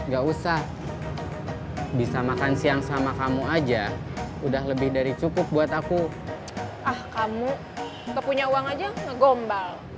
gak usah bisa makan siang sama kamu aja udah lebih dari cukup buat aku ah kamu kepunya uang aja ngombal memang itu march harta